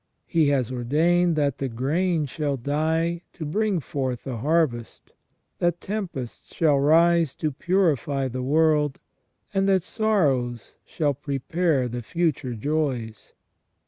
He has ordained that the grain shall die to bring forth the harvest, that tempests shall rise to purify the world, and that sorrows shall prepare the future joys.